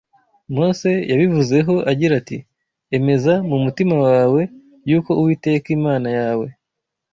Mose yabivuzeho agira ati: “Emeza mu mutima wawe yuko Uwiteka Imana yawe